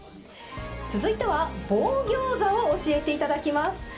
続いては棒ギョーザを教えていただきます。